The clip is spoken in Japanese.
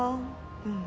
うん。